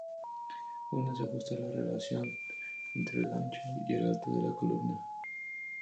Una es ajustar la relación entre el ancho y el alto de la columna.